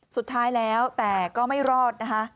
สุดท้ายแล้วแต่ก็ไม่รอดนะคะ